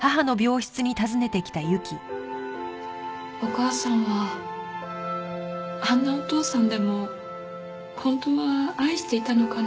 お母さんはあんなお父さんでも本当は愛していたのかなって。